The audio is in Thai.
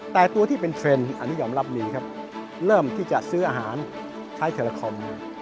แต่ตัวที่เป็นเทรนด์อันนี้ยอมรับดีครับเริ่มที่จะซื้ออาหารใช้เทลคอม